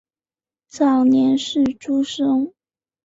早年是诸生。